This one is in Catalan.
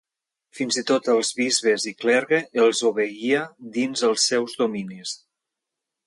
Fins i tot els bisbes i clergue els obeïa dins els seus dominis.